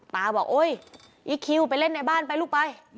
บอกโอ๊ยอีคิวไปเล่นในบ้านไปลูกไป